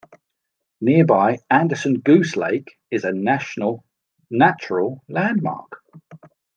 Nearby Anderson Goose Lake is a National Natural Landmark.